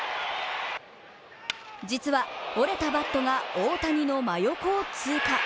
実は、折れたバットが大谷の真横を通過。